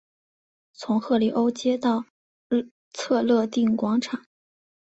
从赫里欧街到策肋定广场。